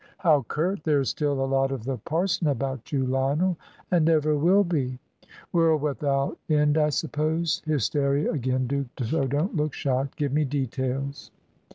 "How curt! There is still a lot of the parson about you, Lionel." "And ever will be." "World without end, I suppose. Hysteria again, Duke, so don't look shocked. Give me details."